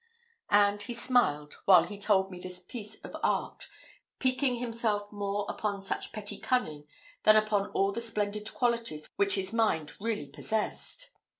And he smiled while he told me this piece of art, piquing himself more upon such petty cunning than upon all the splendid qualities which his mind really possessed.